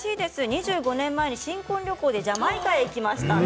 ２５年前、新婚旅行でジャマイカに行きました。